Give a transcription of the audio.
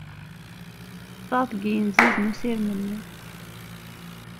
Ṭṭfeɣ deg yinziz n usirem-nni.